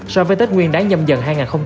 so với tết nguyên đáng nhầm dần